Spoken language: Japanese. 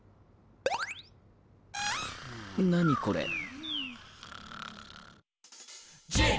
何これ。